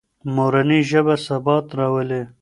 مورنۍ ژبه ثبات راولي.